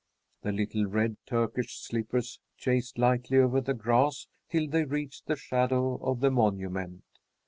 The little red Turkish slippers chased lightly over the grass till they reached the shadow of the monument.